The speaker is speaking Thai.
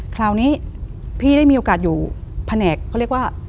คราวนี้พี่ได้มีโอกาสอยู่แผนกเขาเรียกว่า